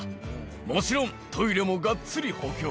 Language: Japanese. もちろんトイレもがっつり補強。